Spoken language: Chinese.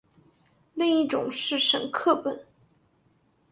另一种是沈刻本。